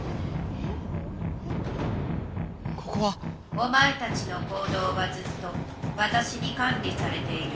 お前たちの行どうはずっとわたしにかん理されている。